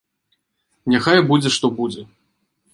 Няхай будзе што будзе.